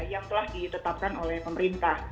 yang telah ditetapkan oleh pemerintah